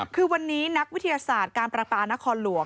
คือวันนี้นักวิทยาศาสตร์การประปานครหลวง